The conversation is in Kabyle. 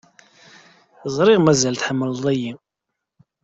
Ẓriɣ mazal tḥemmleḍ-iyi.